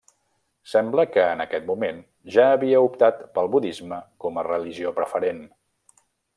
Sembla que en aquest moment ja havia optat pel budisme com a religió preferent.